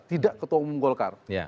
tidak ketua umum golkar